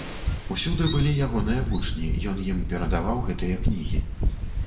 Усюды былі ягоныя вучні, ён ім перадаваў гэтыя кнігі.